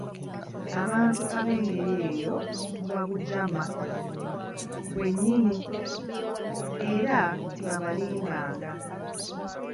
Abantu ab'engeri eyo buba bujama, bwe nyinni, era tebabalimbanga.